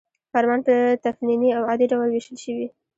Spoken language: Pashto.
فرمان په تقنیني او عادي ډول ویشل شوی.